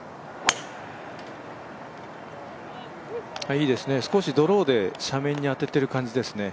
いいですね、少しドローで斜面に当てている感じですね。